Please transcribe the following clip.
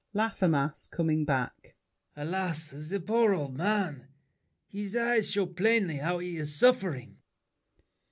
LAFFEMAS (coming back). Alas, the poor old man! His eyes show plainly how he's suffering!